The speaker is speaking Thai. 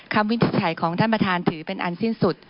วินิจฉัยของท่านประธานถือเป็นอันสิ้นสุด